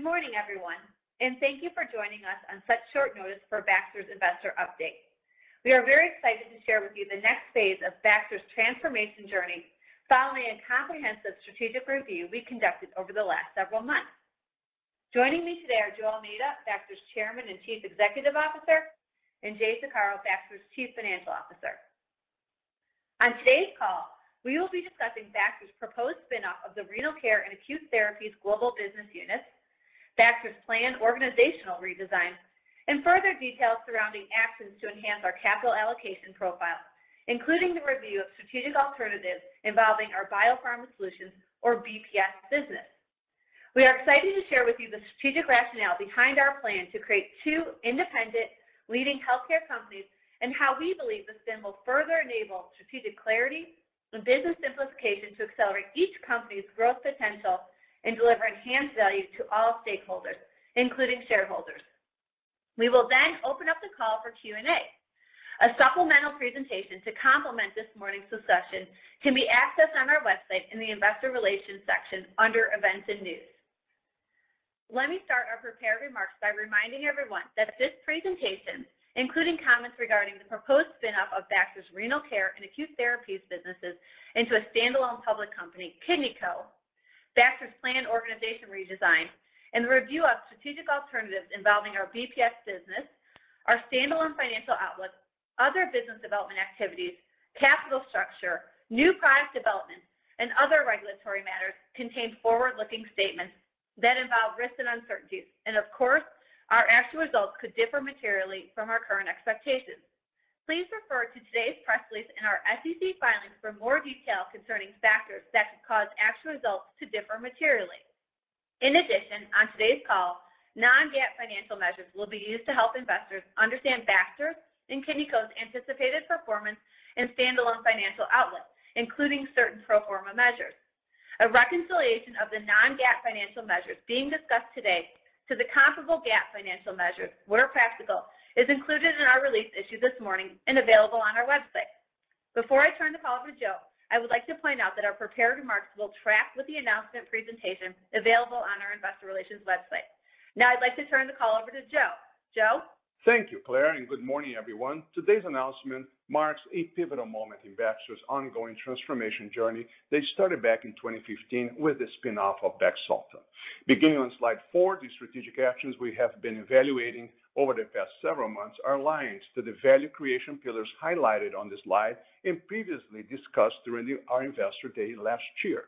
Good morning, everyone, and thank you for joining us on such short notice for Baxter's investor update. We are very excited to share with you the next phase of Baxter's transformation journey following a comprehensive strategic review we conducted over the last several months. Joining me today are José Almeida, Baxter's Chairman and Chief Executive Officer, and Jay Saccaro, Baxter's Chief Financial Officer. On today's call, we will be discussing Baxter's proposed spin-off of the Renal Care and Acute Therapies global business units, Baxter's planned organizational redesign, and further details surrounding actions to enhance our capital allocation profile, including the review of strategic alternatives involving our BioPharma Solutions or BPS business. We are excited to share with you the strategic rationale behind our plan to create two independent leading healthcare companies and how we believe the spin will further enable strategic clarity and business simplification to accelerate each company's growth potential and deliver enhanced value to all stakeholders, including shareholders. We will open up the call for Q&A. A supplemental presentation to complement this morning's discussion can be accessed on our website in the Investor Relations section under Events and News. Let me start our prepared remarks by reminding everyone that this presentation, including comments regarding the proposed spin-off of Baxter's Renal Care and Acute Therapies businesses into a standalone public company, KidneyCo, Baxter's planned organization redesign, and the review of strategic alternatives involving our BPS business, our standalone financial outlook, other business development activities, capital structure, new product development, and other regulatory matters contain forward-looking statements that involve risks and uncertainties. Of course, our actual results could differ materially from our current expectations. Please refer to today's press release and our SEC filings for more detail concerning factors that could cause actual results to differ materially. In addition, on today's call, non-GAAP financial measures will be used to help investors understand Baxter and KidneyCo's anticipated performance and standalone financial outlook, including certain pro forma measures. A reconciliation of the non-GAAP financial measures being discussed today to the comparable GAAP financial measures, where practical, is included in our release issued this morning and available on our website. Before I turn the call over to Joe, I would like to point out that our prepared remarks will track with the announcement presentation available on our investor relations website. I'd like to turn the call over to Joe? Thank you, Claire. Good morning, everyone. Today's announcement marks a pivotal moment in Baxter's ongoing transformation journey they started back in 2015 with the spin-off of Baxalta. Beginning on slide four, the strategic actions we have been evaluating over the past several months are aligned to the value creation pillars highlighted on this slide and previously discussed during our Investor Day last year.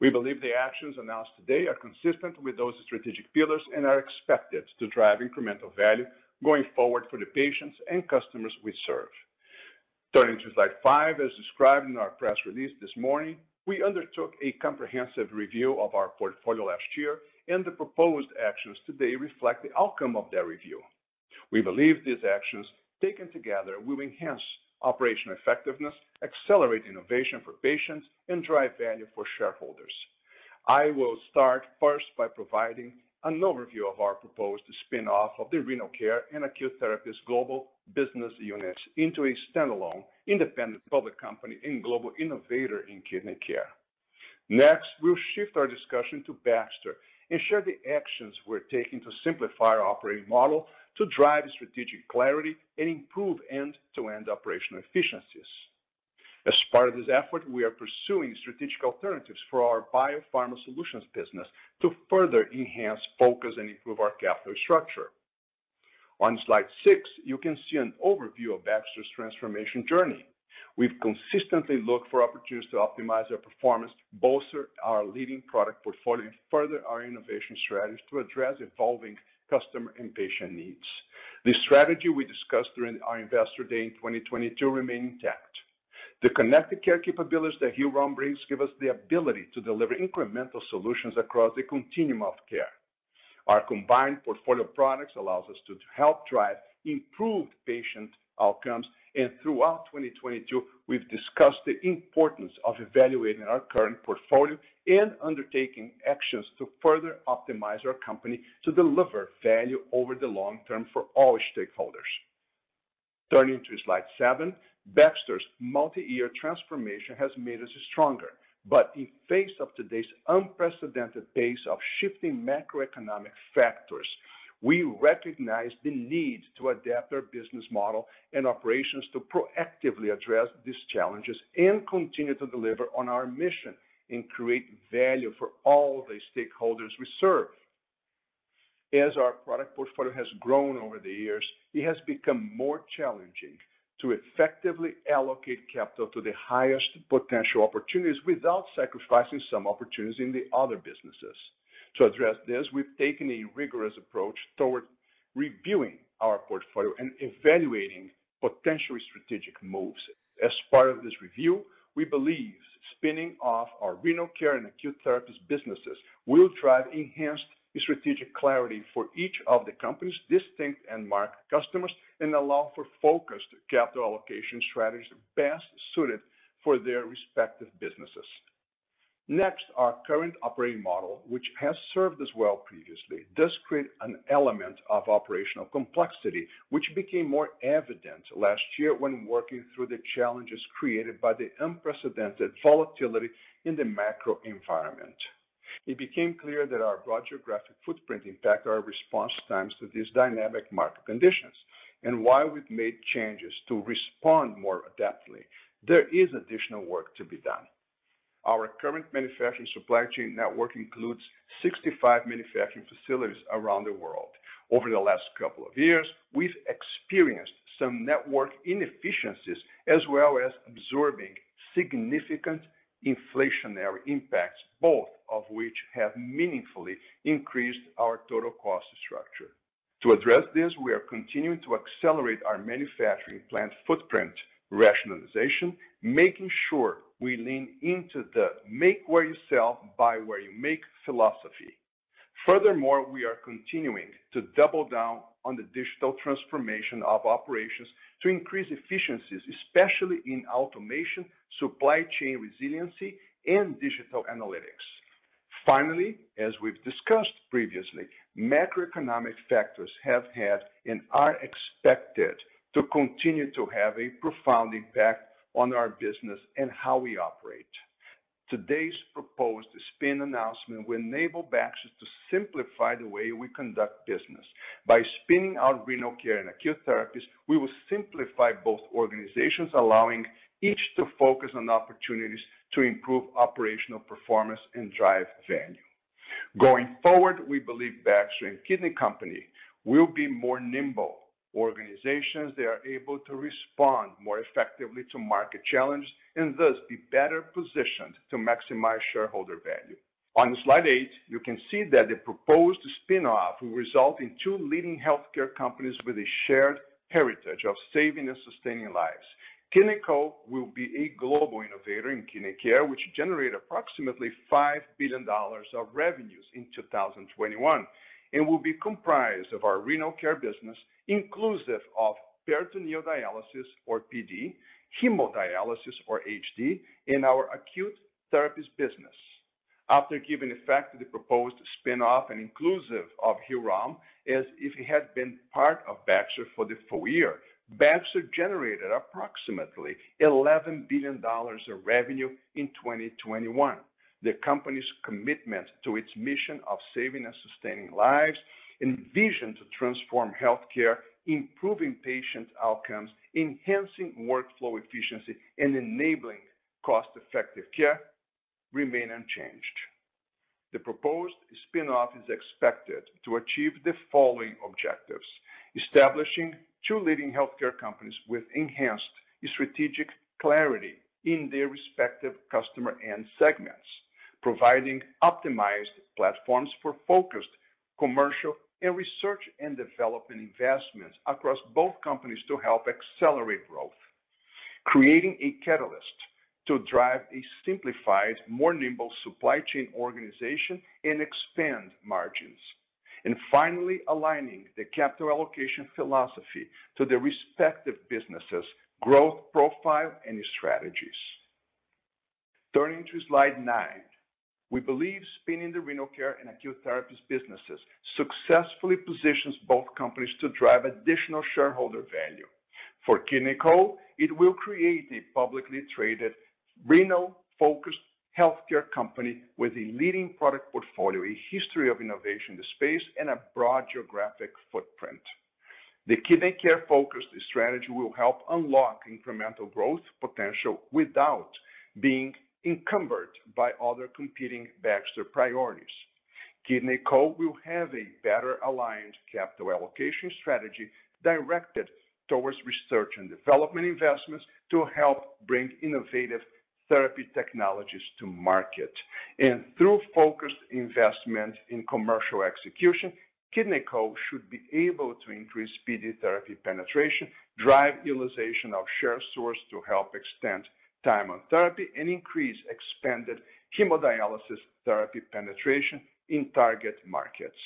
We believe the actions announced today are consistent with those strategic pillars and are expected to drive incremental value going forward for the patients and customers we serve. Turning to slide five, as described in our press release this morning, we undertook a comprehensive review of our portfolio last year. The proposed actions today reflect the outcome of that review. We believe these actions taken together will enhance operational effectiveness, accelerate innovation for patients, and drive value for shareholders. I will start first by providing an overview of our proposed spin-off of the Renal Care and Acute Therapies global business units into a standalone independent public company and global innovator in kidney care. We'll shift our discussion to Baxter and share the actions we're taking to simplify our operating model to drive strategic clarity and improve end-to-end operational efficiencies. As part of this effort, we are pursuing strategic alternatives for our BioPharma Solutions business to further enhance focus and improve our capital structure. On slide eight, you can see an overview of Baxter's transformation journey. We've consistently looked for opportunities to optimize our performance, bolster our leading product portfolio, and further our innovation strategies to address evolving customer and patient needs. The strategy we discussed during our Investor Day in 2022 remain intact. The connected care capabilities that Hillrom brings give us the ability to deliver incremental solutions across the continuum of care. Our combined portfolio of products allows us to help drive improved patient outcomes. Throughout 2022, we've discussed the importance of evaluating our current portfolio and undertaking actions to further optimize our company to deliver value over the long term for all stakeholders. Turning to slide seven, Baxter's multi-year transformation has made us stronger. In face of today's unprecedented pace of shifting macroeconomic factors, we recognize the need to adapt our business model and operations to proactively address these challenges and continue to deliver on our mission and create value for all the stakeholders we serve. As our product portfolio has grown over the years, it has become more challenging to effectively allocate capital to the highest potential opportunities without sacrificing some opportunities in the other businesses. To address this, we've taken a rigorous approach toward reviewing our portfolio and evaluating potentially strategic moves. As part of this review, we believe spinning off our Renal Care and Acute Therapies businesses will drive enhanced strategic clarity for each of the company's distinct end market customers and allow for focused capital allocation strategies best suited for their respective businesses. Our current operating model, which has served us well previously, does create an element of operational complexity, which became more evident last year when working through the challenges created by the unprecedented volatility in the macro environment. It became clear that our broad geographic footprint impact our response times to these dynamic market conditions. While we've made changes to respond more adeptly, there is additional work to be done. Our current manufacturing supply chain network includes 65 manufacturing facilities around the world. Over the last couple of years, we've experienced some network inefficiencies as well as absorbing significant inflationary impacts, both of which have meaningfully increased our total cost structure. To address this, we are continuing to accelerate our manufacturing plant footprint rationalization, making sure we lean into the make where you sell, buy where you make philosophy. Furthermore, we are continuing to double down on the digital transformation of operations to increase efficiencies, especially in automation, supply chain resiliency, and digital analytics. Finally, as we've discussed previously, macroeconomic factors have had and are expected to continue to have a profound impact on our business and how we operate. Today's proposed spin announcement will enable Baxter to simplify the way we conduct business. By spinning out Renal Care and Acute Therapies, we will simplify both organizations, allowing each to focus on opportunities to improve operational performance and drive value. Going forward, we believe Baxter and KidneyCo will be more nimble organizations that are able to respond more effectively to market challenges and thus be better positioned to maximize shareholder value. On slide eight, you can see that the proposed spin-off will result in two leading healthcare companies with a shared heritage of saving and sustaining lives. KidneyCo will be a global innovator in kidney care, which generated approximately $5 billion of revenues in 2021. It will be comprised of our Renal Care business, inclusive of peritoneal dialysis or PD, hemodialysis or HD, and our Acute Therapies business. After giving effect to the proposed spin-off and inclusive of Hillrom as if it had been part of Baxter for the full year, Baxter generated approximately $11 billion of revenue in 2021. The company's commitment to its mission of saving and sustaining lives and vision to transform healthcare, improving patient outcomes, enhancing workflow efficiency, and enabling cost-effective care remain unchanged. The proposed spin-off is expected to achieve the following objectives: establishing two leading healthcare companies with enhanced strategic clarity in their respective customer end segments. Providing optimized platforms for focused commercial and research and development investments across both companies to help accelerate growth. Creating a catalyst to drive a simplified, more nimble supply chain organization and expand margins. Finally, aligning the capital allocation philosophy to the respective businesses growth profile and strategies. Turning to slide nine. We believe spinning the Renal Care and Acute Therapies businesses successfully positions both companies to drive additional shareholder value. For KidneyCo, it will create a publicly traded renal-focused healthcare company with a leading product portfolio, a history of innovation in the space, and a broad geographic footprint. The kidney care focus strategy will help unlock incremental growth potential without being encumbered by other competing Baxter priorities. KidneyCo will have a better aligned capital allocation strategy directed towards research and development investments to help bring innovative therapy technologies to market. Through focused investment in commercial execution, KidneyCo should be able to increase PD therapy penetration, drive utilization of Sharesource to help extend time on therapy, and increase expanded hemodialysis therapy penetration in target markets.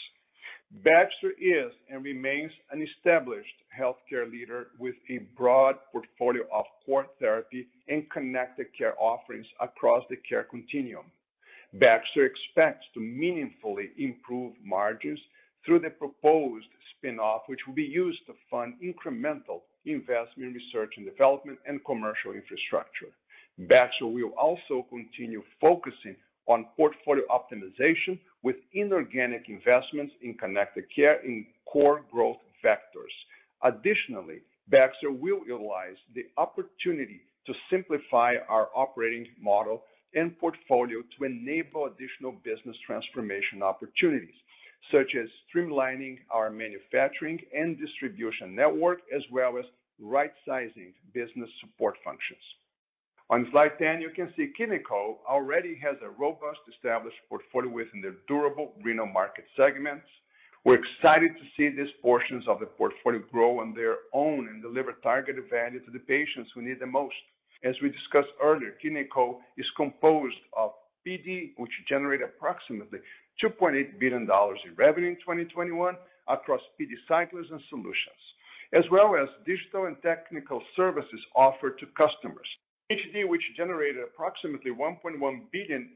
Baxter is and remains an established healthcare leader with a broad portfolio of core therapy and connected care offerings across the care continuum. Baxter expects to meaningfully improve margins through the proposed spin-off, which will be used to fund incremental investment in research and development and commercial infrastructure. Baxter will also continue focusing on portfolio optimization with inorganic investments in connected care in core growth vectors. Baxter will utilize the opportunity to simplify our operating model and portfolio to enable additional business transformation opportunities, such as streamlining our manufacturing and distribution network, as well as right-sizing business support functions. On slide 10, you can see KidneyCo already has a robust established portfolio within the durable renal market segments. We're excited to see these portions of the portfolio grow on their own and deliver targeted value to the patients who need the most. As we discussed earlier, KidneyCo is composed of PD, which generated approximately $2.8 billion in revenue in 2021 across PD cyclers and solutions, as well as digital and technical services offered to customers. HD, which generated approximately $1.1 billion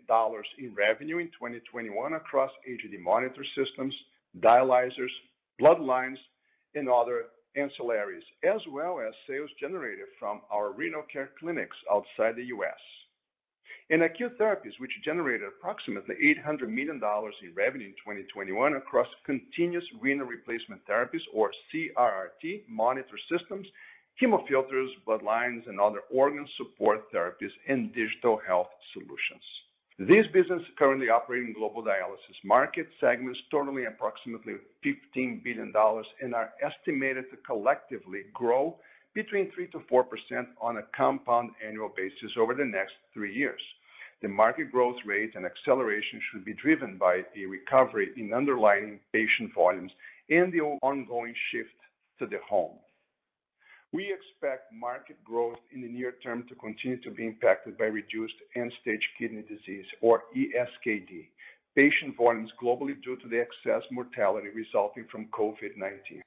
in revenue in 2021 across HD monitor systems, dialyzers, bloodlines, and other ancillaries, as well as sales generated from our renal care clinics outside the U.S. In Acute Therapies, which generated approximately $800 million in revenue in 2021 across continuous renal replacement therapies or CRRT monitor systems, hemofilters, bloodlines, and other organ support therapies and digital health solutions. These businesses currently operate in global dialysis market segments totaling approximately $15 billion and are estimated to collectively grow between 3%-4% on a compound annual basis over the next three years. The market growth rate and acceleration should be driven by the recovery in underlying patient volumes and the ongoing shift to the home. We expect market growth in the near term to continue to be impacted by reduced end-stage kidney disease or ESKD patient volumes globally due to the excess mortality resulting from COVID-19.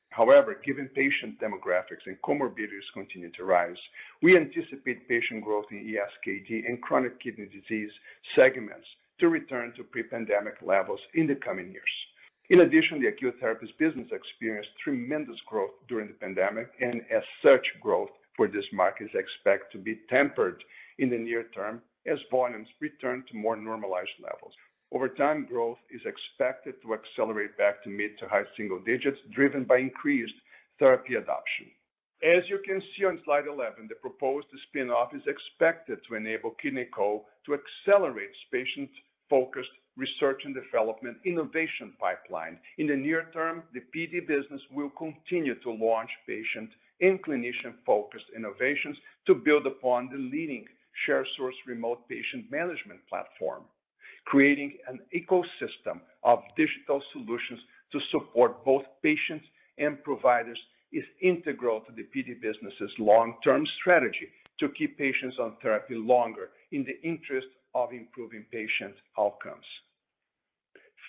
Given patient demographics and comorbidities continue to rise, we anticipate patient growth in ESKD and chronic kidney disease segments to return to pre-pandemic levels in the coming years. The Acute Therapies business experienced tremendous growth during the pandemic, and as such, growth for this market is expected to be tempered in the near term as volumes return to more normalized levels. Over time, growth is expected to accelerate back to mid to high single digits, driven by increased therapy adoption. As you can see on slide 11, the proposed spin-off is expected to enable KidneyCo to accelerate patient-focused research and development innovation pipeline. In the near term, the PD business will continue to launch patient and clinician-focused innovations to build upon the leading Sharesource remote patient management platform. Creating an ecosystem of digital solutions to support both patients and providers is integral to the PD business's long-term strategy to keep patients on therapy longer in the interest of improving patient outcomes.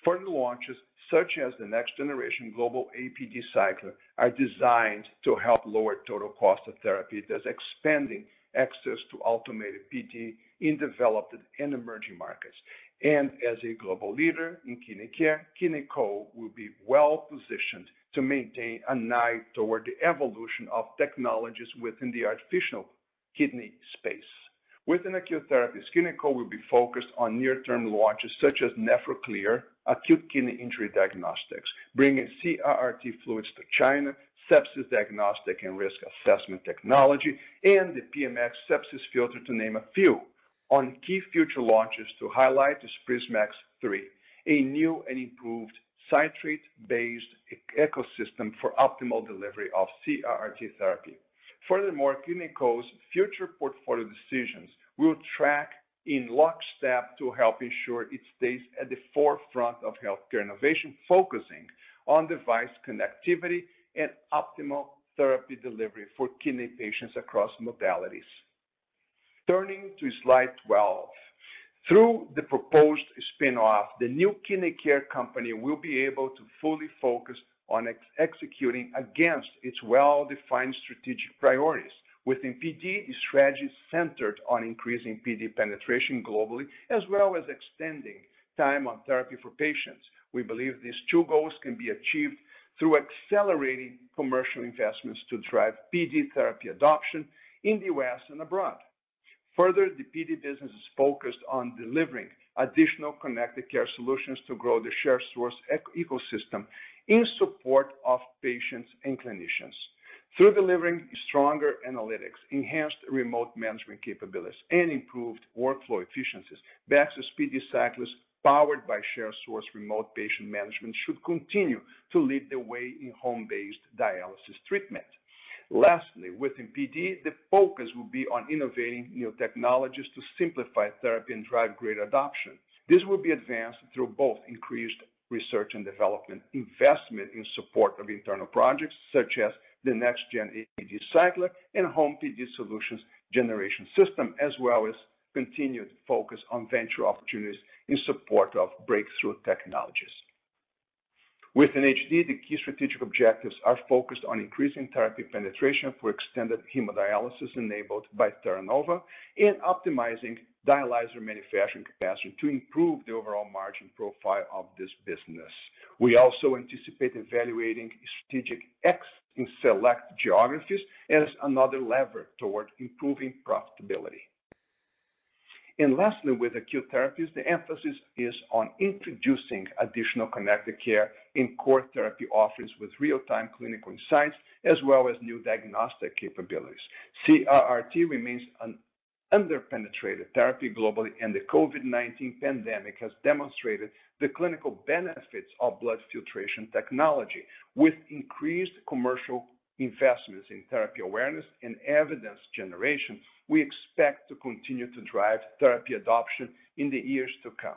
Further launches, such as the next-generation global APD cycler, are designed to help lower total cost of therapy, thus expanding access to automated PD in developed and emerging markets. As a global leader in kidney care, KidneyCo will be well-positioned to maintain an eye toward the evolution of technologies within the artificial kidney space. Within acute therapies, KidneyCo will be focused on near-term launches such as NEPHROCLEAR, acute kidney injury diagnostics, bringing CRRT fluids to China, sepsis diagnostic and risk assessment technology, and the PMX sepsis filter, to name a few. Key future launches to highlight is PrisMax 3, a new and improved citrate-based ecosystem for optimal delivery of CRRT therapy. KidneyCo's future portfolio decisions will track in lockstep to help ensure it stays at the forefront of healthcare innovation, focusing on device connectivity and optimal therapy delivery for kidney patients across modalities. Turning to slide 12. Through the proposed spin-off, the new kidney care company will be able to fully focus on executing against its well-defined strategic priorities. Within PD, the strategy is centered on increasing PD penetration globally, as well as extending time on therapy for patients. We believe these two goals can be achieved through accelerating commercial investments to drive PD therapy adoption in the US and abroad. Further, the PD business is focused on delivering additional connected care solutions to grow the Sharesource ecosystem in support of patients and clinicians. Through delivering stronger analytics, enhanced remote management capabilities, and improved workflow efficiencies, Baxter's PD cyclers, powered by Sharesource Remote Patient Management, should continue to lead the way in home-based dialysis treatment. Lastly, within PD, the focus will be on innovating new technologies to simplify therapy and drive greater adoption. This will be advanced through both increased research and development investment in support of internal projects such as the next-gen APD cycler and Home PD Solutions generation system, as well as continued focus on venture opportunities in support of breakthrough technologies. Within HD, the key strategic objectives are focused on increasing therapy penetration for extended hemodialysis enabled by Theranova and optimizing dialyzer manufacturing capacity to improve the overall margin profile of this business. We also anticipate evaluating strategic X in select geographies as another lever toward improving profitability. Lastly, with Acute Therapies, the emphasis is on introducing additional connected care in core therapy offerings with real-time clinical insights as well as new diagnostic capabilities. CRRT remains an under-penetrated therapy globally, and the COVID-19 pandemic has demonstrated the clinical benefits of blood filtration technology. With increased commercial investments in therapy awareness and evidence generation, we expect to continue to drive therapy adoption in the years to come.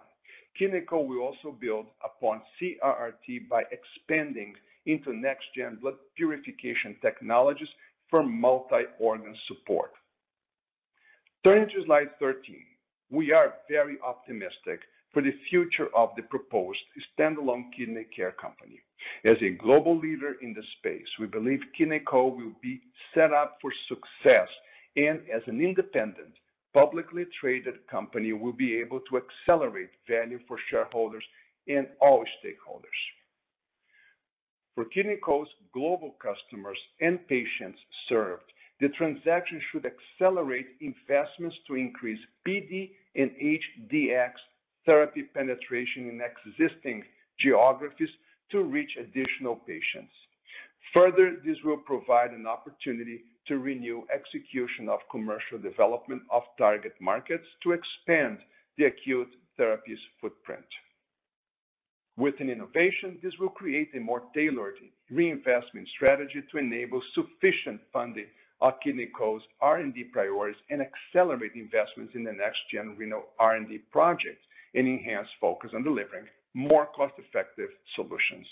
KidneyCo will also build upon CRRT by expanding into next-gen blood purification technologies for multi-organ support. Turning to slide 13. We are very optimistic for the future of the proposed standalone kidney care company. As a global leader in this space, we believe KidneyCo will be set up for success. As an independent, publicly traded company will be able to accelerate value for shareholders and all stakeholders. For KidneyCo's global customers and patients served, the transaction should accelerate investments to increase PD and HDx therapy penetration in existing geographies to reach additional patients. Further, this will provide an opportunity to renew execution of commercial development of target markets to expand the Acute Therapies footprint. Within innovation, this will create a more tailored reinvestment strategy to enable sufficient funding of KidneyCo's R&D priorities and accelerate investments in the next-gen renal R&D projects and enhance focus on delivering more cost-effective solutions.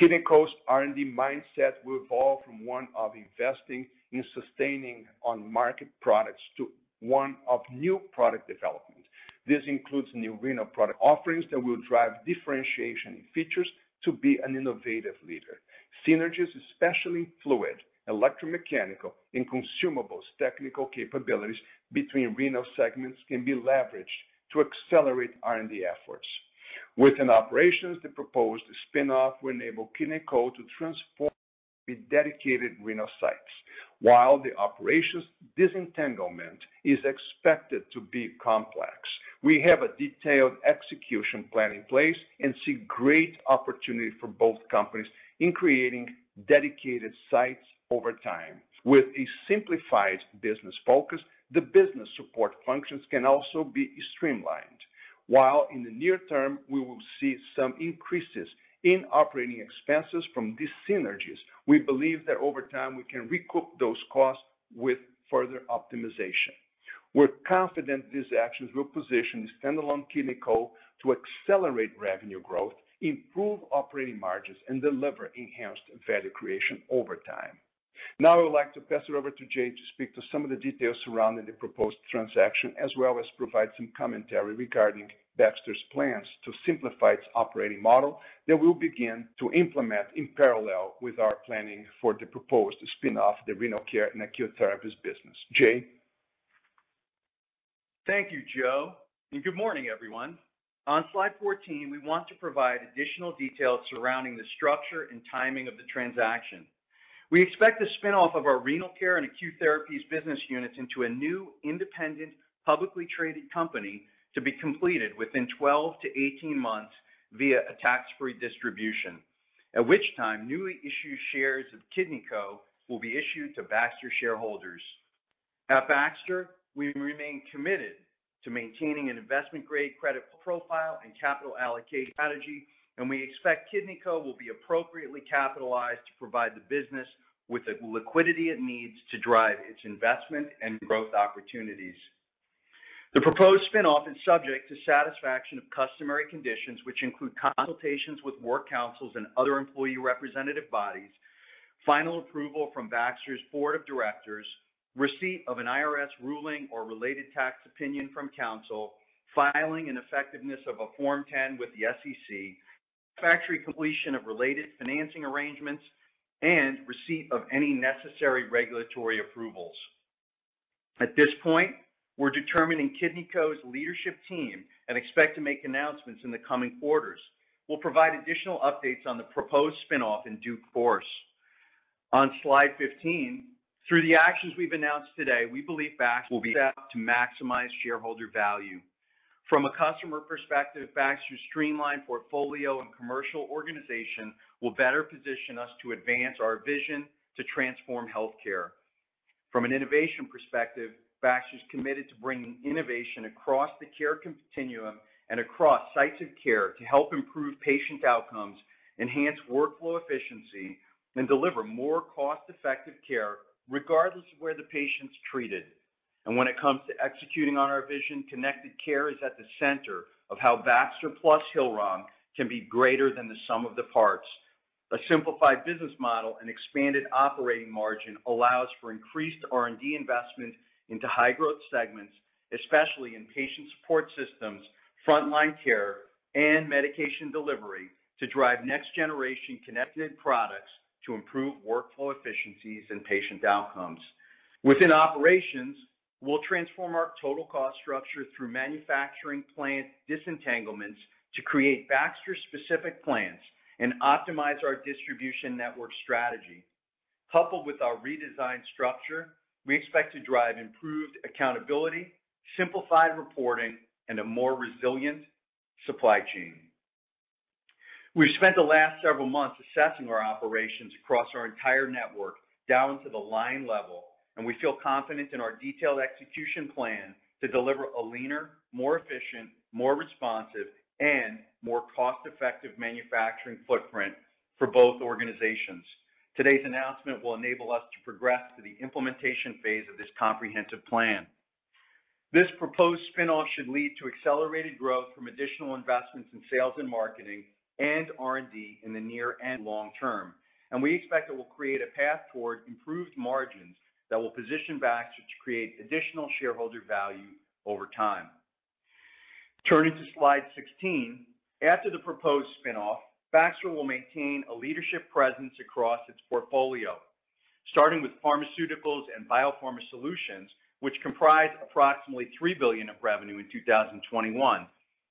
KidneyCo's R&D mindset will evolve from one of investing in sustaining on-market products to one of new product development. This includes new renal product offerings that will drive differentiation in features to be an innovative leader. Synergies, especially in fluid, electromechanical, and consumables technical capabilities between renal segments can be leveraged to accelerate R&D efforts. Within operations, the proposed spin-off will enable KidneyCo to transform with dedicated renal sites. While the operations disentanglement is expected to be complex, we have a detailed execution plan in place and see great opportunity for both companies in creating dedicated sites over time. With a simplified business focus, the business support functions can also be streamlined. While in the near term, we will see some increases in operating expenses from these synergies, we believe that over time we can recoup those costs with further optimization. We're confident these actions will position the standalone KidneyCo to accelerate revenue growth, improve operating margins, and deliver enhanced value creation over time. Now I would like to pass it over to Jay to speak to some of the details surrounding the proposed transaction, as well as provide some commentary regarding Baxter's plans to simplify its operating model that we'll begin to implement in parallel with our planning for the proposed spin-off of the Renal Care and Acute Therapies business. Jay? Thank you, Joe. Good morning, everyone. On slide 14, we want to provide additional details surrounding the structure and timing of the transaction. We expect the spin-off of our Renal Care and Acute Therapies business units into a new independent, publicly traded company to be completed within 12-18 months via a tax-free distribution, at which time newly issued shares of KidneyCo will be issued to Baxter shareholders. At Baxter, we remain committed to maintaining an investment-grade credit profile and capital allocation strategy, and we expect KidneyCo will be appropriately capitalized to provide the business with the liquidity it needs to drive its investment and growth opportunities. The proposed spin-off is subject to satisfaction of customary conditions, which include consultations with work councils and other employee representative bodies, final approval from Baxter's board of directors, receipt of an IRS ruling or related tax opinion from council, filing and effectiveness of a Form 10 with the SEC, factory completion of related financing arrangements, and receipt of any necessary regulatory approvals. At this point, we're determining KidneyCo's leadership team and expect to make announcements in the coming quarters. We'll provide additional updates on the proposed spin-off in due course. On slide 15, through the actions we've announced today, we believe Baxter will be set up to maximize shareholder value. From a customer perspective, Baxter's streamlined portfolio and commercial organization will better position us to advance our vision to transform healthcare. From an innovation perspective, Baxter is committed to bringing innovation across the care continuum and across sites of care to help improve patient outcomes, enhance workflow efficiency, and deliver more cost-effective care regardless of where the patient's treated. When it comes to executing on our vision, connected care is at the center of how Baxter plus Hillrom can be greater than the sum of the parts. A simplified business model and expanded operating margin allows for increased R&D investment into high-growth segments, especially in Patient Support Systems, Frontline Care, and Medication Delivery to drive next-generation connected products to improve workflow efficiencies and patient outcomes. Within operations, we'll transform our total cost structure through manufacturing plant disentanglements to create Baxter-specific plans and optimize our distribution network strategy. Coupled with our redesigned structure, we expect to drive improved accountability, simplified reporting, and a more resilient supply chain. We've spent the last several months assessing our operations across our entire network down to the line level, and we feel confident in our detailed execution plan to deliver a leaner, more efficient, more responsive, and more cost-effective manufacturing footprint for both organizations. Today's announcement will enable us to progress to the implementation phase of this comprehensive plan. This proposed spin-off should lead to accelerated growth from additional investments in sales and marketing and R&D in the near and long term. We expect it will create a path toward improved margins that will position Baxter to create additional shareholder value over time. Turning to slide 16. After the proposed spin-off, Baxter will maintain a leadership presence across its portfolio, starting with pharmaceuticals and BioPharma Solutions, which comprise approximately $3 billion of revenue in 2021.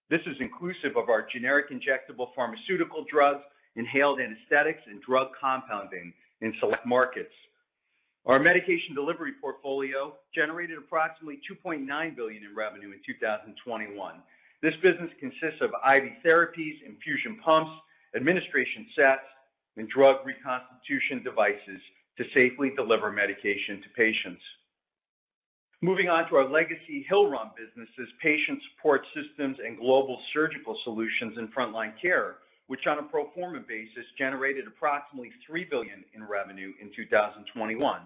This is inclusive of our generic injectable pharmaceutical drugs, inhaled anesthetics, and drug compounding in select markets. Our Medication Delivery portfolio generated approximately $2.9 billion in revenue in 2021. This business consists of IV therapies, infusion pumps, administration sets, and drug reconstitution devices to safely deliver medication to patients. Moving on to our legacy Hillrom businesses, Patient Support Systems and Global Surgical Solutions in Frontline Care, which on a pro forma basis generated approximately $3 billion in revenue in 2021.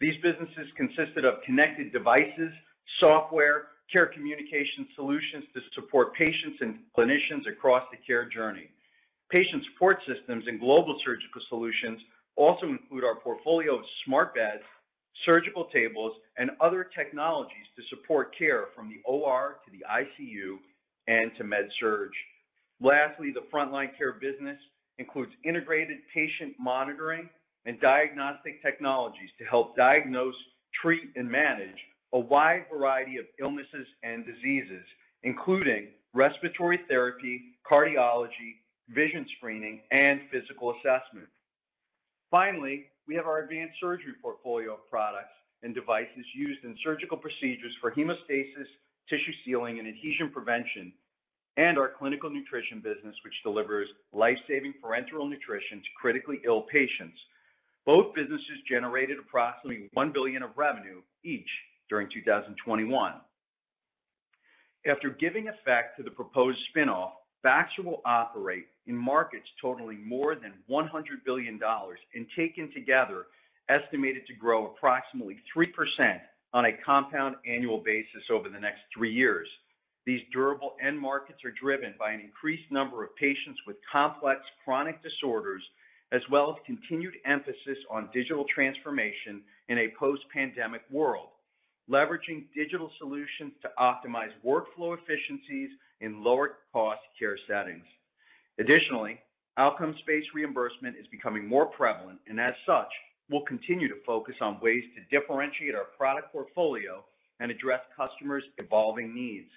These businesses consisted of connected devices, software, care communication solutions to support patients and clinicians across the care journey. Patient Support Systems and Global Surgical Solutions also include our portfolio of smart beds, surgical tables, and other technologies to support care from the OR to the ICU and to med surg. Lastly, the Frontline Care business includes integrated patient monitoring and diagnostic technologies to help diagnose, treat, and manage a wide variety of illnesses and diseases, including respiratory therapy, cardiology, vision screening, and physical assessment. We have our Advanced Surgery portfolio of products and devices used in surgical procedures for hemostasis, tissue sealing, and adhesion prevention, and our Clinical Nutrition business, which delivers life-saving parenteral nutrition to critically ill patients. Both businesses generated approximately $1 billion of revenue each during 2021. After giving effect to the proposed spin-off, Baxter will operate in markets totaling more than $100 billion and taken together, estimated to grow approximately 3% on a compound annual basis over the next three years. These durable end markets are driven by an increased number of patients with complex chronic disorders as well as continued emphasis on digital transformation in a post-pandemic world, leveraging digital solutions to optimize workflow efficiencies in lower cost care settings. Outcome space reimbursement is becoming more prevalent, and as such, we'll continue to focus on ways to differentiate our product portfolio and address customers' evolving needs.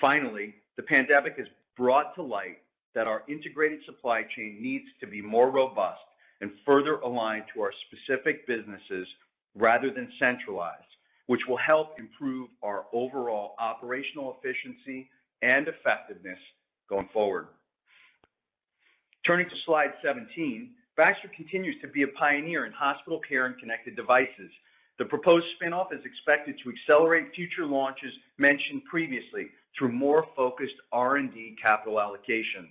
The pandemic has brought to light that our integrated supply chain needs to be more robust and further aligned to our specific businesses rather than centralized, which will help improve our overall operational efficiency and effectiveness going forward. Turning to slide 17. Baxter continues to be a pioneer in hospital care and connected devices. The proposed spin-off is expected to accelerate future launches mentioned previously through more focused R&D capital allocation.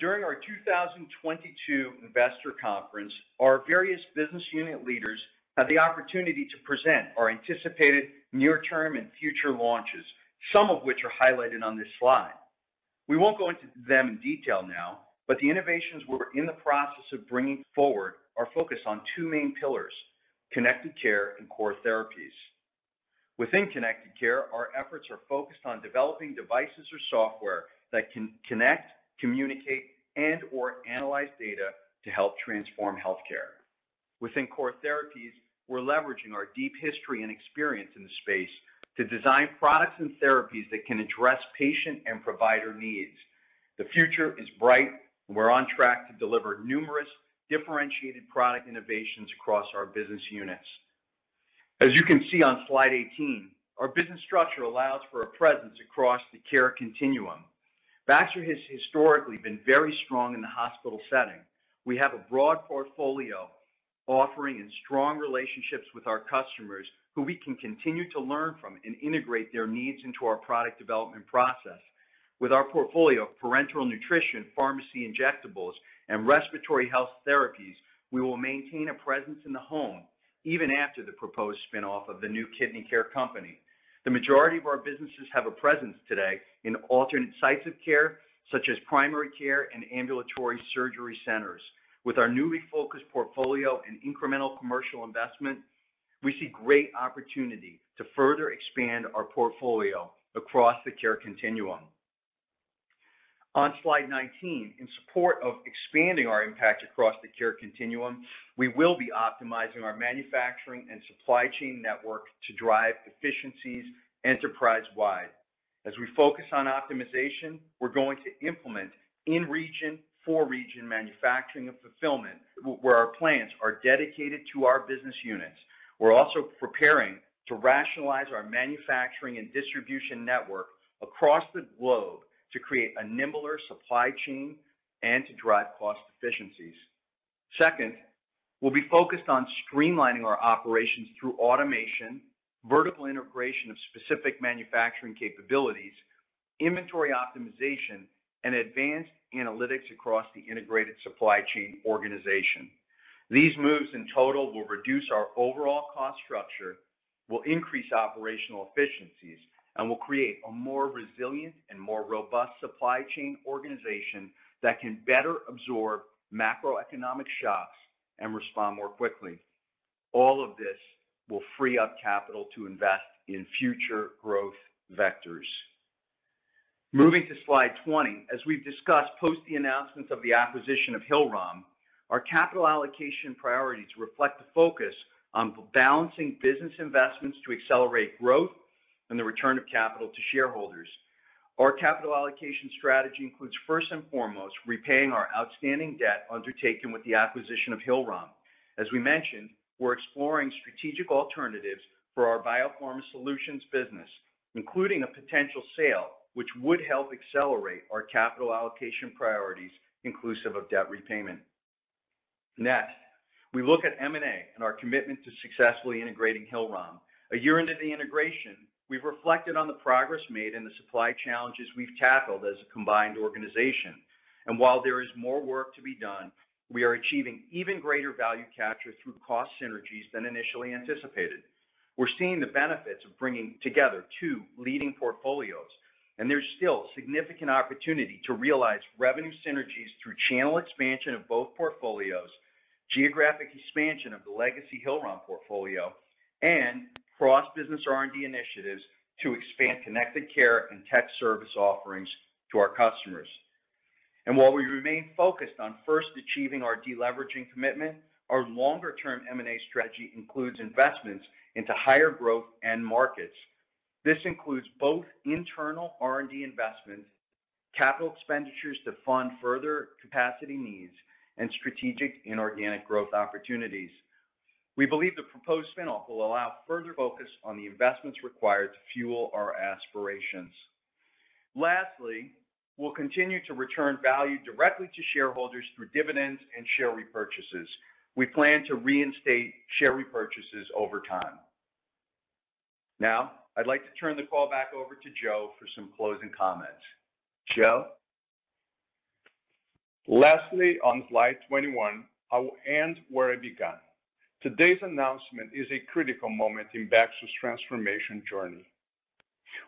During our 2022 investor conference, our various business unit leaders had the opportunity to present our anticipated near-term and future launches, some of which are highlighted on this slide. We won't go into them in detail now. The innovations we're in the process of bringing forward are focused on two main pillars: connected care and core therapies. Within connected care, our efforts are focused on developing devices or software that can connect, communicate, and/or analyze data to help transform healthcare. Within core therapies, we're leveraging our deep history and experience in the space to design products and therapies that can address patient and provider needs. The future is bright. We're on track to deliver numerous differentiated product innovations across our business units. As you can see on slide 18, our business structure allows for a presence across the care continuum. Baxter has historically been very strong in the hospital setting. We have a broad portfolio offering and strong relationships with our customers who we can continue to learn from and integrate their needs into our product development process. With our portfolio of parenteral nutrition, pharmacy injectables, and respiratory health therapies, we will maintain a presence in the home even after the proposed spin-off of the new kidney care company. The majority of our businesses have a presence today in alternate sites of care, such as primary care and ambulatory surgery centers. With our newly focused portfolio and incremental commercial investment, we see great opportunity to further expand our portfolio across the care continuum. On slide 19, in support of expanding our impact across the care continuum, we will be optimizing our manufacturing and supply chain network to drive efficiencies enterprise-wide. As we focus on optimization, we're going to implement in-region, for-region manufacturing and fulfillment where our plants are dedicated to our business units. We're also preparing to rationalize our manufacturing and distribution network across the globe to create a nimbler supply chain and to drive cost efficiencies. Second, we'll be focused on streamlining our operations through automation, vertical integration of specific manufacturing capabilities, inventory optimization, and advanced analytics across the integrated supply chain organization. These moves in total will reduce our overall cost structure, will increase operational efficiencies, and will create a more resilient and more robust supply chain organization that can better absorb macroeconomic shocks and respond more quickly. All of this will free up capital to invest in future growth vectors. Moving to slide 20. As we've discussed, post the announcement of the acquisition of Hillrom, our capital allocation priorities reflect the focus on balancing business investments to accelerate growth and the return of capital to shareholders. Our capital allocation strategy includes first and foremost, repaying our outstanding debt undertaken with the acquisition of Hillrom. As we mentioned, we're exploring strategic alternatives for our BioPharma Solutions business, including a potential sale, which would help accelerate our capital allocation priorities inclusive of debt repayment. Next, we look at M&A and our commitment to successfully integrating Hillrom. A year into the integration, we've reflected on the progress made and the supply challenges we've tackled as a combined organization. While there is more work to be done, we are achieving even greater value capture through cost synergies than initially anticipated. We're seeing the benefits of bringing together two leading portfolios. There's still significant opportunity to realize revenue synergies through channel expansion of both portfolios, geographic expansion of the legacy Hillrom portfolio, and cross-business R&D initiatives to expand connected care and tech service offerings to our customers. While we remain focused on first achieving our deleveraging commitment, our longer-term M&A strategy includes investments into higher growth end markets. This includes both internal R&D investments, capital expenditures to fund further capacity needs, and strategic inorganic growth opportunities. We believe the proposed spin-off will allow further focus on the investments required to fuel our aspirations. Lastly, we'll continue to return value directly to shareholders through dividends and share repurchases. We plan to reinstate share repurchases over time. Now, I'd like to turn the call back over to Joe for some closing comments. Joe? Lastly, on slide 21, I will end where I began. Today's announcement is a critical moment in Baxter's transformation journey.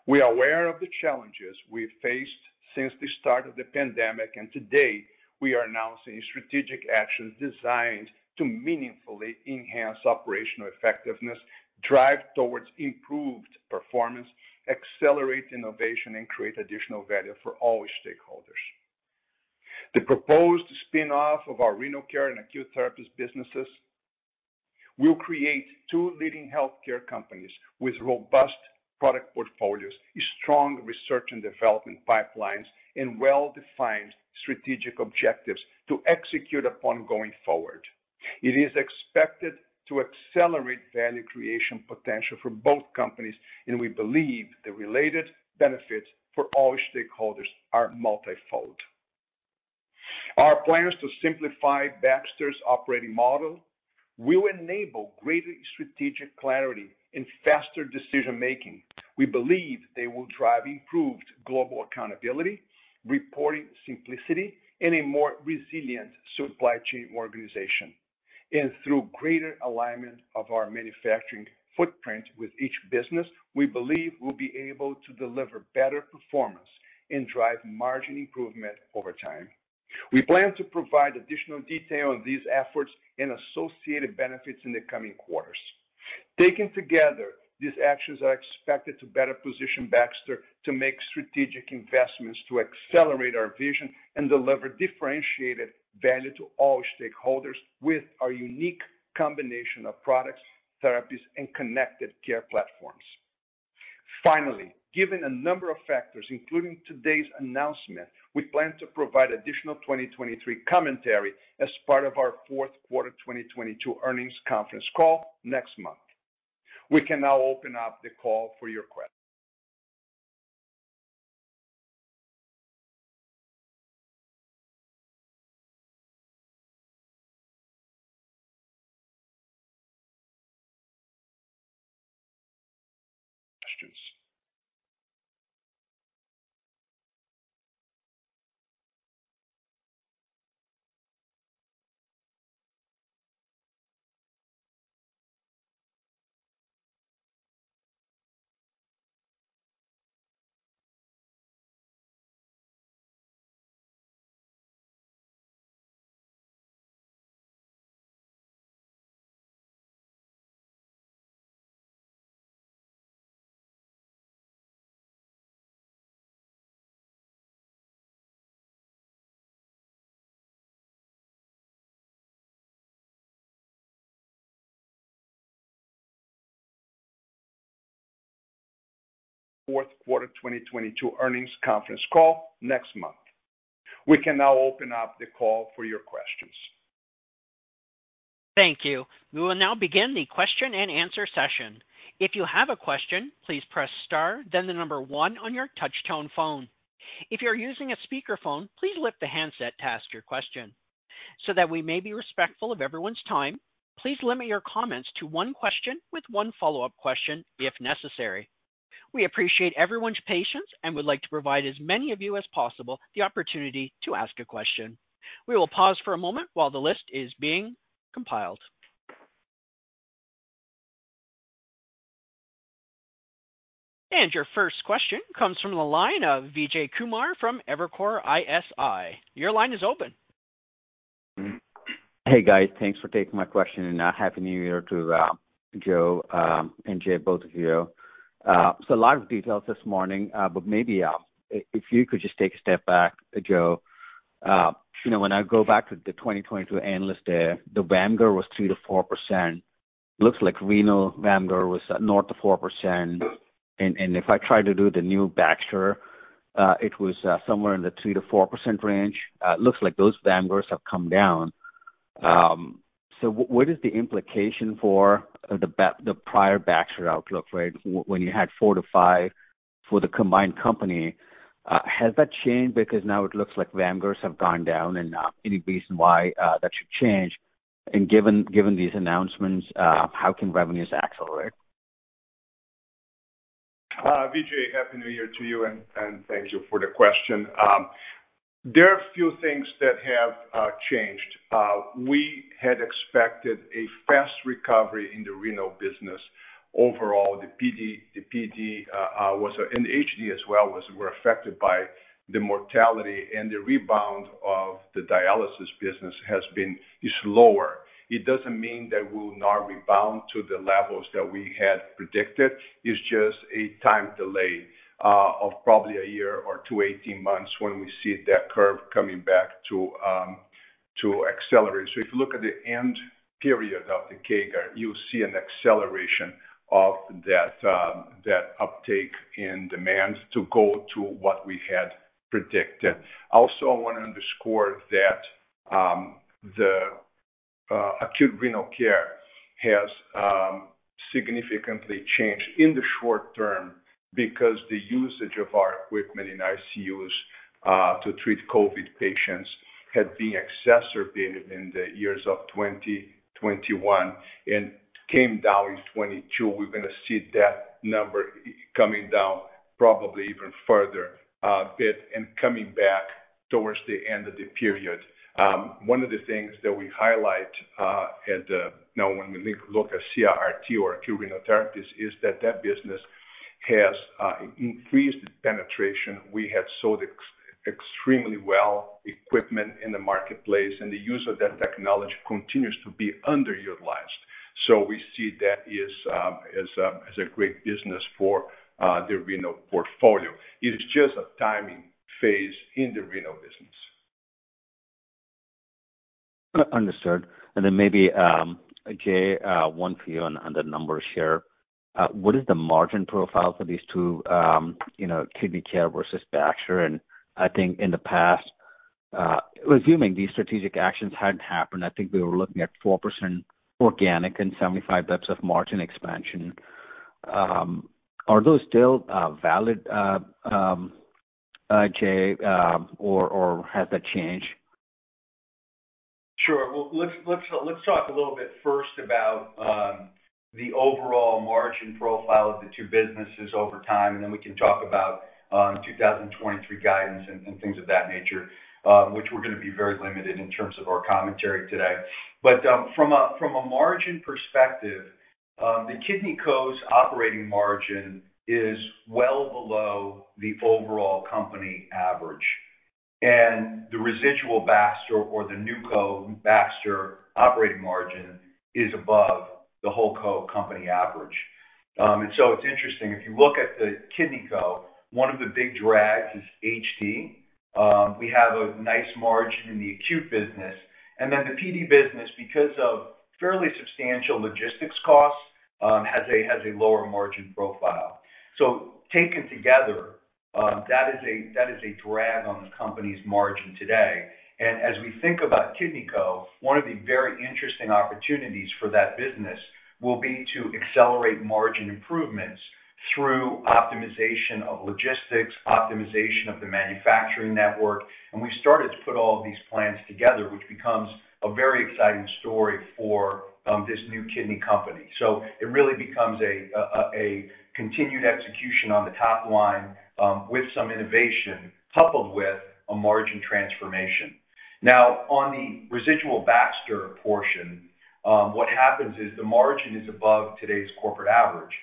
We are aware of the challenges we have faced since the start of the pandemic, and today we are announcing strategic actions designed to meaningfully enhance operational effectiveness, drive towards improved performance, accelerate innovation, and create additional value for all stakeholders. The proposed spin-off of our Renal Care and Acute Therapies businesses will create two leading healthcare companies with robust product portfolios, strong research and development pipelines, and well-defined strategic objectives to execute upon going forward. It is expected to accelerate value creation potential for both companies, and we believe the related benefits for all stakeholders are multifold. Our plans to simplify Baxter's operating model will enable greater strategic clarity and faster decision-making. We believe they will drive improved global accountability, reporting simplicity, and a more resilient supply chain organization. Through greater alignment of our manufacturing footprint with each business, we believe we'll be able to deliver better performance and drive margin improvement over time. We plan to provide additional detail on these efforts and associated benefits in the coming quarters. Taken together, these actions are expected to better position Baxter to make strategic investments to accelerate our vision and deliver differentiated value to all stakeholders with our unique combination of products, therapies, and connected care platforms. Finally, given a number of factors, including today's announcement, we plan to provide additional 2023 commentary as part of our fourth quarter 2022 earnings conference call next month. We can now open up the call for your questions. Thank you. We will now begin the question and answer session. If you have a question, please press star, then the number one on your touch tone phone. If you're using a speakerphone, please lift the handset to ask your question. That we may be respectful of everyone's time, please limit your comments to one question with one follow-up question if necessary. We appreciate everyone's patience and would like to provide as many of you as possible the opportunity to ask a question. We will pause for a moment while the list is being compiled. Your first question comes from the line of Vijay Kumar from Evercore ISI. Your line is open. Hey, guys. Thanks for taking my question, happy New Year to Joe and Jay, both of you. A lot of details this morning, but maybe if you could just take a step back, Joe. You know, when I go back to the 2022 analyst day, the WAMGR was 2%-4%. Looks like renal WAMGR was north of 4%. If I try to do the new Baxter, it was somewhere in the 2%-4% range. It looks like those WAMGRs have come down. What is the implication for the prior Baxter outlook, right, when you had 4%-5% for the combined company? Has that changed because now it looks like WAMGRs have gone down, and any reason why that should change? Given these announcements, how can revenues accelerate? Vijay, Happy New Year to you, and thank you for the question. There are a few things that have changed. We had expected a fast recovery in the Renal Care. Overall, the PD and the HD as well were affected by the mortality and the rebound of the dialysis business is lower. It doesn't mean that we will not rebound to the levels that we had predicted. It's just a time delay of probably 1 or 2, 18 months when we see that curve coming back to accelerate. If you look at the end period of the CAGR, you'll see an acceleration of that uptake in demand to go to what we had predicted. I wanna underscore that the acute Renal Care has significantly changed in the short term because the usage of our equipment in ICUs to treat COVID patients had been exacerbated in the years of 2021 and came down in 2022. We're gonna see that number coming down probably even further, bit and coming back towards the end of the period. One of the things that we highlight now when we look at CRRT or acute Renal therapies is that that business has increased penetration. We have sold extremely well equipment in the marketplace, and the use of that technology continues to be underutilized. We see that as a great business for the Renal portfolio. It is just a timing phase in the Renal business. Understood. Then maybe, Jay, one for you on the numbers here. What is the margin profile for these two, you know, Kidney Care versus Baxter? I think in the past, assuming these strategic actions hadn't happened, I think we were looking at 4% organic and 75 basis points of margin expansion. Are those still valid, Jay, or has that changed? Sure. Well, let's talk a little bit first about the overall margin profile of the two businesses over time, and then we can talk about 2023 guidance and things of that nature, which we're gonna be very limited in terms of our commentary today. From a margin perspective, the KidneyCo's operating margin is well below the overall company average, and the residual Baxter or the NewCo, Baxter operating margin is above the whole co company average. It's interesting. If you look at the KidneyCo, one of the big drags is HD. We have a nice margin in the Acute business. And then the PD business, because of fairly substantial logistics costs, has a lower margin profile. Taken together, that is a drag on the company's margin today. As we think about KidneyCo, one of the very interesting opportunities for that business will be to accelerate margin improvements through optimization of logistics, optimization of the manufacturing network. We started to put all of these plans together, which becomes a very exciting story for this new kidney company. It really becomes a continued execution on the top line, with some innovation coupled with a margin transformation. Now, on the residual Baxter portion, what happens is the margin is above today's corporate average.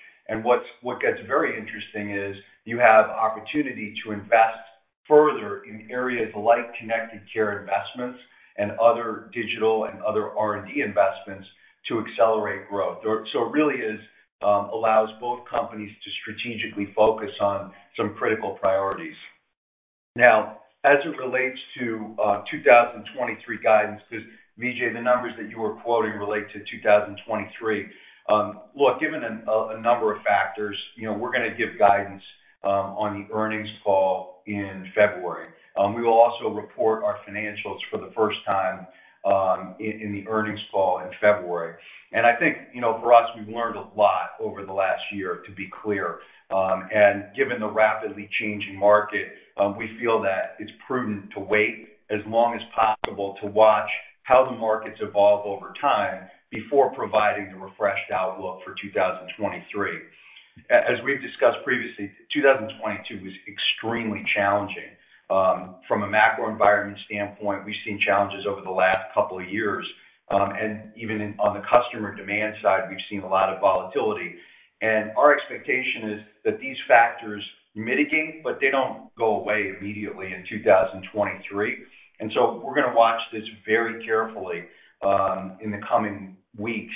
What gets very interesting is you have opportunity to invest further in areas like connected care investments and other digital and other R&D investments to accelerate growth. So it really is, allows both companies to strategically focus on some critical priorities. Now, as it relates to 2023 guidance, 'cause Vijay, the numbers that you were quoting relate to 2023. Look, given a number of factors, you know, we're gonna give guidance on the earnings call in February. We will also report our financials for the first time in the earnings call in February. I think, you know, for us, we've learned a lot over the last year, to be clear. Given the rapidly changing market, we feel that it's prudent to wait as long as possible to watch how the markets evolve over time before providing the refreshed outlook for 2023. As we've discussed previously, 2022 was extremely challenging. From a macro environment standpoint, we've seen challenges over the last couple of years. Even on the customer demand side, we've seen a lot of volatility. Our expectation is that these factors mitigate, but they don't go away immediately in 2023. We're gonna watch this very carefully in the coming weeks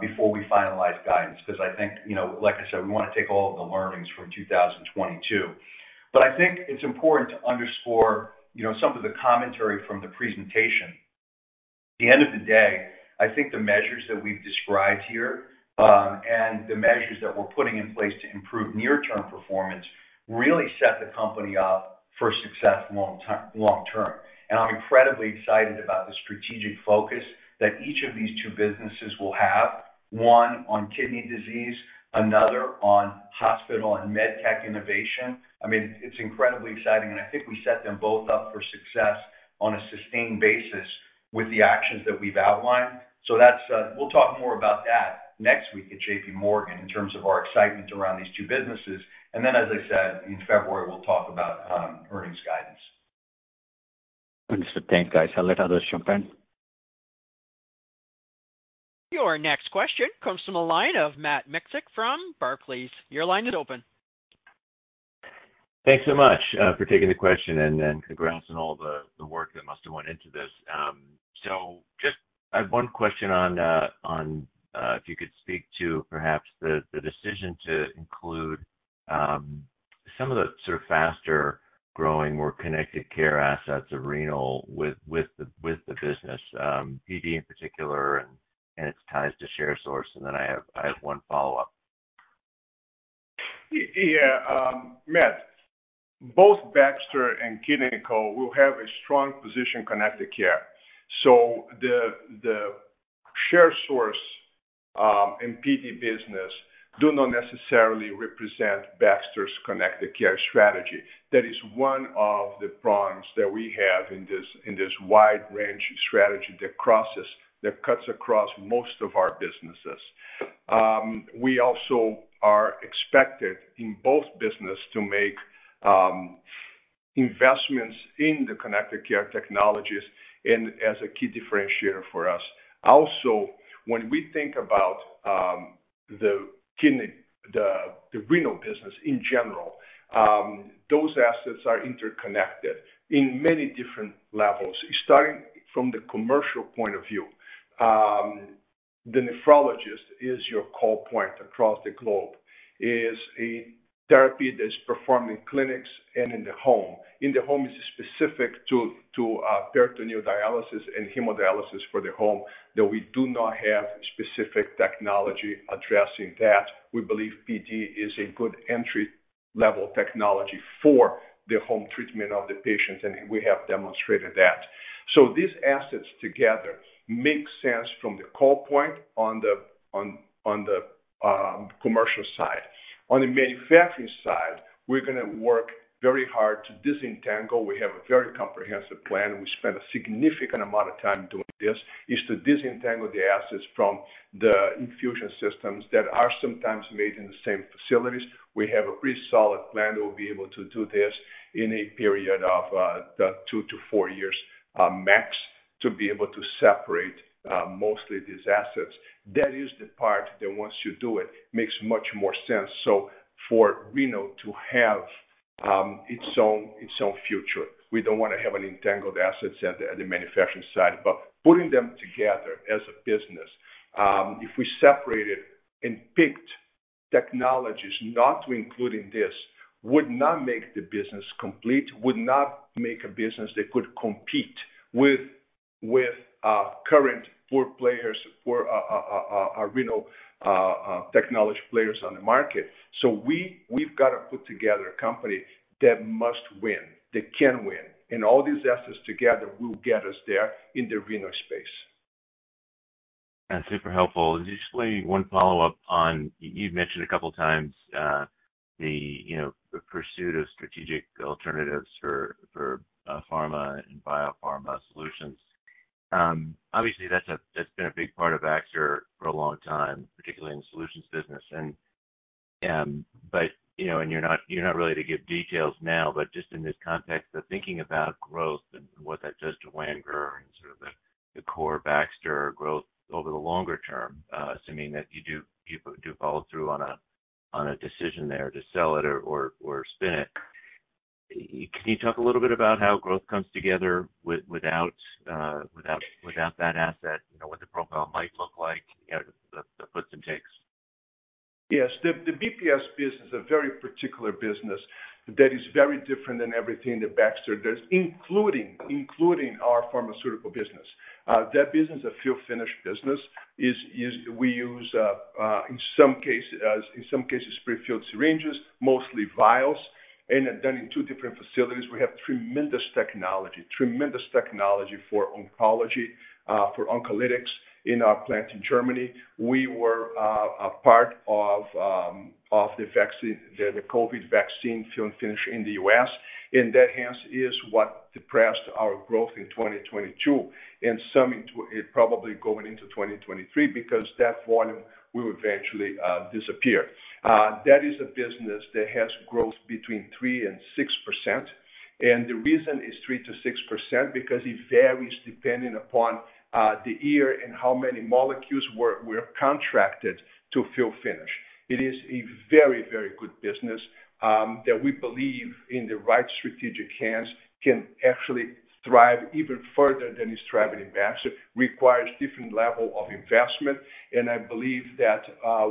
before we finalize guidance. I think, you know, like I said, we wanna take all of the learnings from 2022. I think it's important to underscore, you know, some of the commentary from the presentation. At the end of the day, I think the measures that we've described here, and the measures that we're putting in place to improve near-term performance really set the company up for success long term. I'm incredibly excited about the strategic focus that each of these two businesses will have. One on kidney disease, another on hospital and med tech innovation. I mean, it's incredibly exciting, and I think we set them both up for success on a sustained basis with the actions that we've outlined. That's, we'll talk more about that next week at JP Morgan in terms of our excitement around these two businesses. As I said, in February, we'll talk about earnings guidance. Understood. Thanks, guys. I'll let others jump in. Your next question comes from the line of Matt Miksic from Barclays. Your line is open. Thanks so much for taking the question and congrats on all the work that must have went into this. Just I have one question on, if you could speak to perhaps the decision to include some of the sort of faster growing, more connected care assets of renal with the business, PD in particular and its ties to Sharesource. Then I have one follow-up. Yeah, Matt, both Baxter and KidneyCo will have a strong position connected care. The Sharesource and PD business do not necessarily represent Baxter's connected care strategy. That is one of the prongs that we have in this wide range strategy that cuts across most of our businesses. We also are expected in both business to make investments in the connected care technologies and as a key differentiator for us. Also, when we think about the renal business in general, those assets are interconnected in many different levels, starting from the commercial point of view. The nephrologist is your call point across the globe, is a therapy that's performed in clinics and in the home. In the home is specific to peritoneal dialysis and hemodialysis for the home, that we do not have specific technology addressing that. We believe PD is a good entry-level technology for the home treatment of the patients, and we have demonstrated that. These assets together make sense from the call point on the, on the commercial side. On the manufacturing side, we're gonna work very hard to disentangle. We have a very comprehensive plan. We spent a significant amount of time doing this, is to disentangle the assets from the infusion systems that are sometimes made in the same facilities. We have a pretty solid plan. We'll be able to do this in a period of 2-4 years, max, to be able to separate mostly these assets. That is the part that once you do it, makes much more sense. For Renal to have its own future, we don't wanna have an entangled assets at the manufacturing side. Putting them together as a business, if we separated and picked technologies not to include in this, would not make the business complete, would not make a business that could compete with current four players for our renal technology players on the market. We've got to put together a company that must win, that can win, and all these assets together will get us there in the renal space. That's super helpful. Just one follow-up on You've mentioned a couple of times, the, you know, the pursuit of strategic alternatives for pharma and BioPharma Solutions. Obviously, that's been a big part of Baxter for a long time, particularly in the solutions business. You know, and you're not, you're not really to give details now, but just in this context of thinking about growth and what that does to WAMGR and sort of the core Baxter growth over the longer term, assuming that you do follow through on a, on a decision there to sell it or spin it. Can you talk a little bit about how growth comes together without that asset? You know, what the profile might look like, you know, the puts and takes. Yes. The BPS business is a very particular business that is very different than everything that Baxter does, including our pharmaceutical business. That business, we use as in some cases, prefilled syringes, mostly vials. In 2 different facilities, we have tremendous technology for oncology, for oncolytics in our plant in Germany. We were a part of the vaccine, the COVID vaccine fill and finish in the U.S., that, hence, is what depressed our growth in 2022. It probably going into 2023 because that volume will eventually disappear. That is a business that has growth between 3% and 6%. The reason is 3%-6% because it varies depending upon the year and how many molecules were contracted to fill finish. It is a very, very good business that we believe in the right strategic hands can actually thrive even further than it's thriving in Baxter. Requires different level of investment, and I believe that,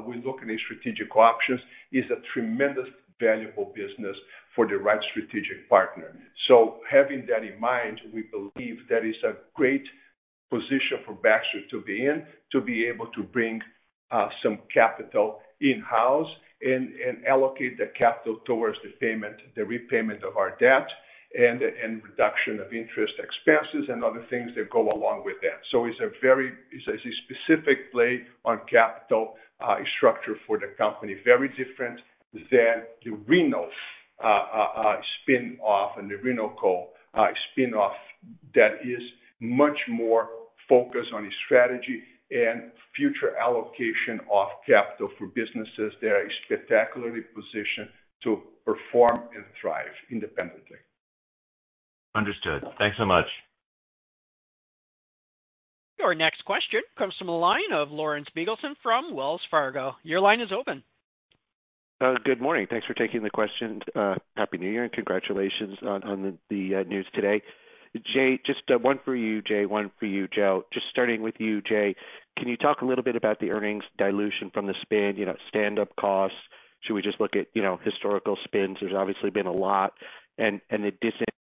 we look at the strategic options, is a tremendous valuable business for the right strategic partner. Having that in mind, we believe that is a great position for Baxter to be in, to be able to bring some capital in-house and allocate the capital towards the payment, the repayment of our debt and reduction of interest expenses and other things that go along with that. It's a specific play on capital structure for the company. Very different than the Renal spin-off and the KidneyCo spin-off that is much more focused on the strategy and future allocation of capital for businesses that are spectacularly positioned to perform and thrive independently. Understood. Thanks so much. Your next question comes from the line of Lawrence Biegelsen from Wells Fargo. Your line is open. Good morning. Thanks for taking the questions. Happy New Year, and congratulations on the news today. Jay, just one for you, Jay, one for you, Joe. Just starting with you, Jay, can you talk a little bit about the earnings dilution from the spin, you know, stand-up costs? Should we just look at, you know, historical spins? There's obviously been a lot. The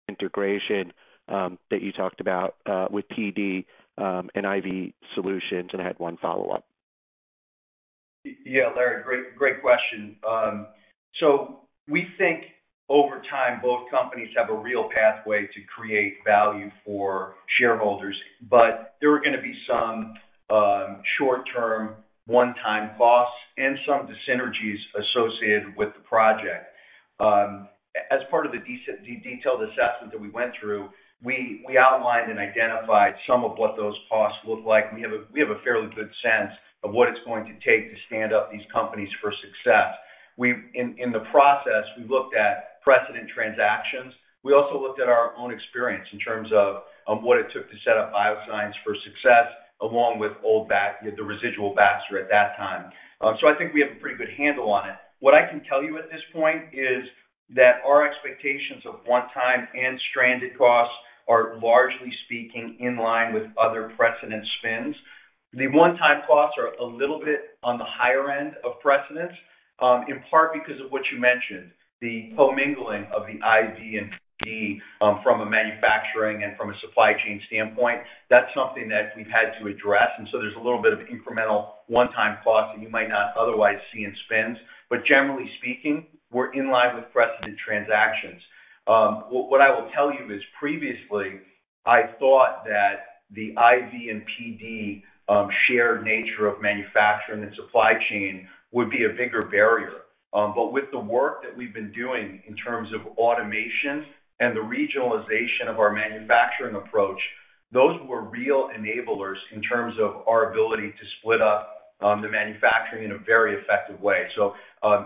disintegration that you talked about with PD and IV solutions, and I had one follow-up. Yeah, Larry, great question. We think over time both companies have a real pathway to create value for shareholders, but there are gonna be some short-term one-time costs and some dyssynergies associated with the project. As part of the detailed assessment that we went through, we outlined and identified some of what those costs look like. We have a fairly good sense of what it's going to take to stand up these companies for success. In the process, we've looked at precedent transactions. We also looked at our own experience in terms of what it took to set up BioScience for success, along with the residual Baxter at that time. I think we have a pretty good handle on it. What I can tell you at this point is that our expectations of one-time and stranded costs are, largely speaking, in line with other precedent spins. The one-time costs are a little bit on the higher end of precedents, in part because of what you mentioned, the co-mingling of the IV and PD, from a manufacturing and from a supply chain standpoint. That's something that we've had to address. There's a little bit of incremental one-time costs that you might not otherwise see in spins. Generally speaking, we're in line with precedent transactions. What I will tell you is previously I thought that the IV and PD shared nature of manufacturing and supply chain would be a bigger barrier. With the work that we've been doing in terms of automation and the regionalization of our manufacturing approach, those were real enablers in terms of our ability to split up the manufacturing in a very effective way.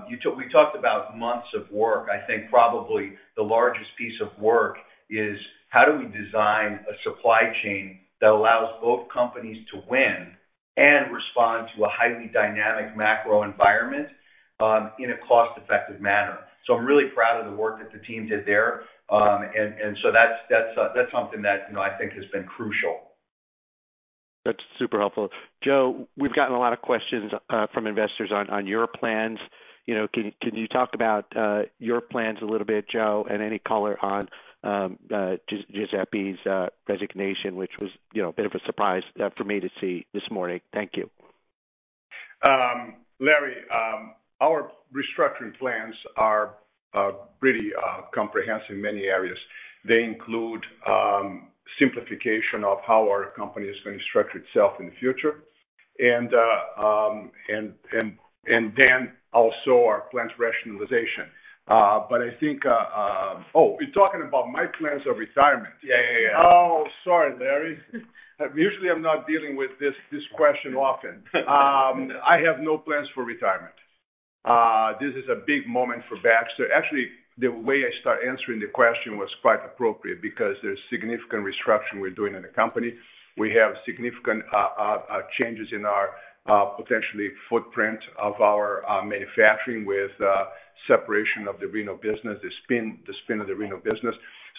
We talked about months of work. I think probably the largest piece of work is how do we design a supply chain that allows both companies to win and respond to a highly dynamic macro environment in a cost-effective manner. I'm really proud of the work that the team did there. That's something that, you know, I think has been crucial. That's super helpful. Joe, we've gotten a lot of questions from investors on your plans. You know, can you talk about your plans a little bit, Joe, and any color on Giuseppe's resignation, which was, you know, a bit of a surprise for me to see this morning. Thank you. Larry, our restructuring plans are pretty comprehensive in many areas. They include simplification of how our company is gonna structure itself in the future and then also our plans rationalization. I think... Oh, you're talking about my plans of retirement. Yeah, yeah. Sorry, Larry. Usually I'm not dealing with this question often. I have no plans for retirement. This is a big moment for Baxter. Actually, the way I start answering the question was quite appropriate because there's significant restructuring we're doing in the company. We have significant changes in our potentially footprint of our manufacturing with separation of the Renal business, the spin of the Renal business.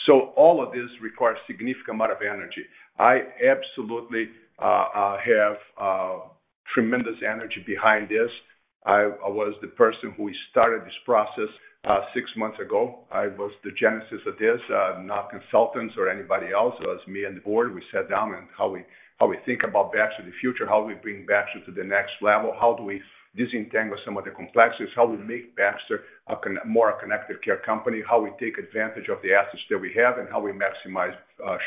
All of this requires significant amount of energy. I absolutely have tremendous energy behind this. I was the person who started this process six months ago. I was the genesis of this, not consultants or anybody else. It was me and the board. We sat down and how we think about Baxter in the future, how we bring Baxter to the next level, how do we disentangle some of the complexities, how we make Baxter a more connected care company, how we take advantage of the assets that we have and how we maximize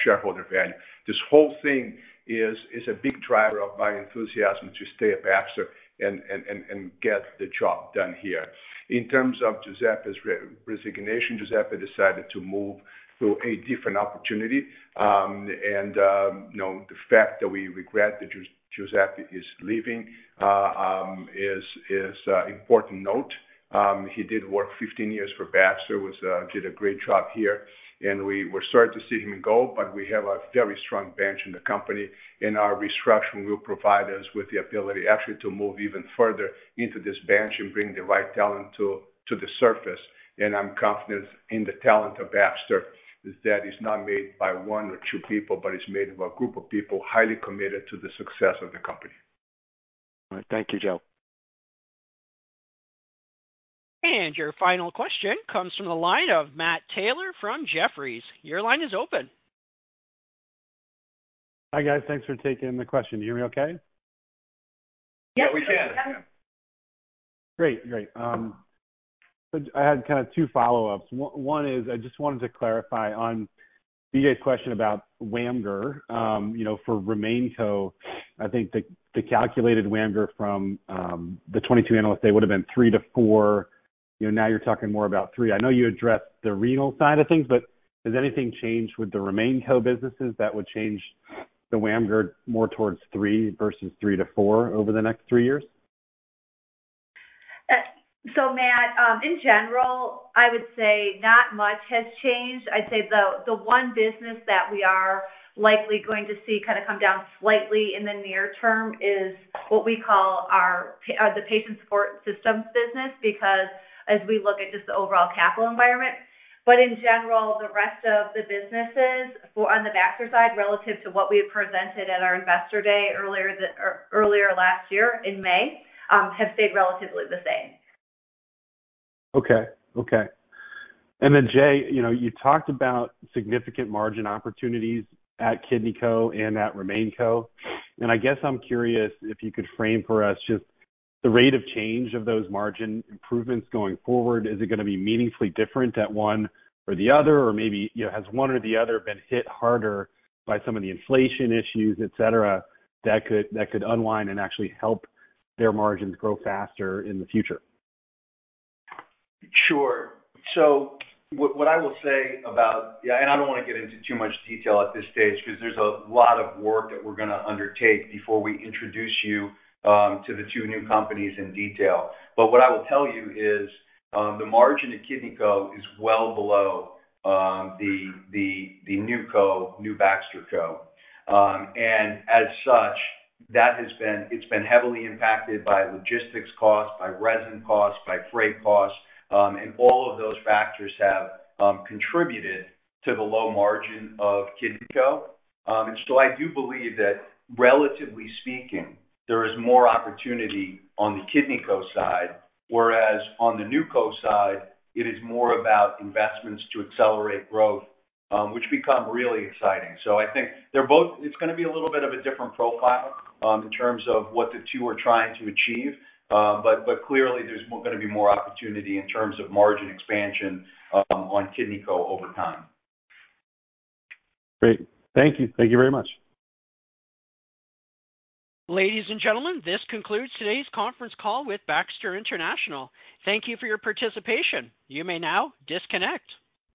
shareholder value. This whole thing is a big driver of my enthusiasm to stay at Baxter and get the job done here. In terms of Giuseppe's resignation, Giuseppe decided to move to a different opportunity. You know, the fact that we regret that Giuseppe is leaving, is important note. He did work 15 years for Baxter, did a great job here. We were sorry to see him go. We have a very strong bench in the company. Our restructuring will provide us with the ability actually to move even further into this bench and bring the right talent to the surface. I'm confident in the talent of Baxter is that it's not made by one or two people, but it's made of a group of people highly committed to the success of the company. All right. Thank you, Joe. Your final question comes from the line of Matt Taylor from Jefferies. Your line is open. Hi, guys. Thanks for taking the question. Can you hear me okay? Yeah, we can. Yes, we can. Great. Great. I had kind of two follow-ups. One is I just wanted to clarify on BJ's question about WAMGR. You know, for RemainCo, I think the calculated WAMGR from the 22 analysts, they would have been 3%-4%. You know, now you're talking more about 3%. I know you addressed the renal side of things, has anything changed with the RemainCo businesses that would change the WAMGR more towards 3% versus 3%-4% over the next 3 years? Matt, in general, I would say not much has changed. I'd say the one business that we are likely going to see kinda come down slightly in the near term is what we call our Patient Support Systems business because as we look at just the overall capital environment. In general, the rest of the businesses for on the Baxter side relative to what we had presented at our Investor Day earlier last year in May, have stayed relatively the same. Okay. Okay. Then Jay, you know, you talked about significant margin opportunities at KidneyCo and at RemainCo. I guess I'm curious if you could frame for us just the rate of change of those margin improvements going forward. Is it gonna be meaningfully different at one or the other? Maybe, you know, has one or the other been hit harder by some of the inflation issues, et cetera, that could unwind and actually help their margins grow faster in the future? Sure. What I will say about yeah, and I don't wanna get into too much detail at this stage because there's a lot of work that we're gonna undertake before we introduce you to the two new companies in detail. What I will tell you is the margin at KidneyCo is well below the NewCo, New Baxter Co. As such, it's been heavily impacted by logistics costs, by resin costs, by freight costs, and all of those factors have contributed to the low margin of KidneyCo. I do believe that relatively speaking, there is more opportunity on the KidneyCo side, whereas on the NewCo side, it is more about investments to accelerate growth, which become really exciting. I think it's gonna be a little bit of a different profile in terms of what the two are trying to achieve. Clearly, there's gonna be more opportunity in terms of margin expansion on KidneyCo over time. Great. Thank you. Thank you very much. Ladies and gentlemen, this concludes today's conference call with Baxter International. Thank you for your participation. You may now disconnect.